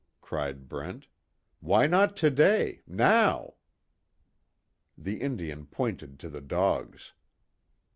cried Brent. "Why not today now?" The Indian pointed to the dogs.